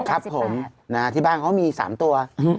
ครับผมที่บ้านเขามี๓ตัว